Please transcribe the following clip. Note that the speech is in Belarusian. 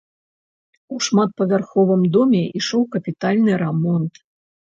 У шматпавярховым доме ішоў капітальны рамонт.